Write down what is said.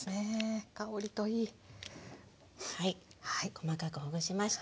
細かくほぐしました。